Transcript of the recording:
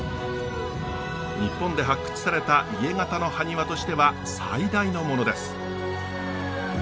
日本で発掘された家型のハニワとしては最大のものです。